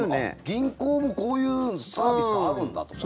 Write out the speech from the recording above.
銀行もこういうサービスあるんだと思って。